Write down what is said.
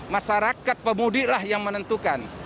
masyarakat pemudiklah yang menentukan